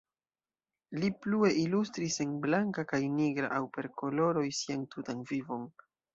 Li plue ilustris en blanka kaj nigra aŭ per koloroj sian tutan vivon.